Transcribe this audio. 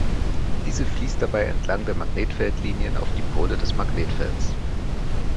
Diese fließt dabei entlang der Magnetfeldlinien auf die Pole des Magnetfelds.